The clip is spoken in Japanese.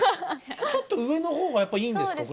ちょっと上の方がやっぱいいんですか？